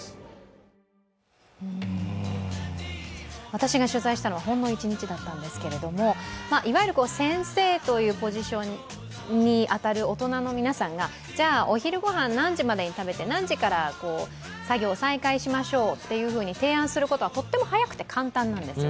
私が取材したのはほんの一日だったんですけれどもいわゆる先生というポジションに当たる大人の皆さんがじゃあお昼ごはん、何時までに食べて、何時から再開しましょうと提案することはとっても早くて簡単なんです。